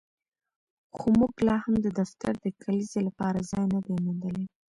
خو موږ لاهم د دفتر د کلیزې لپاره ځای نه دی موندلی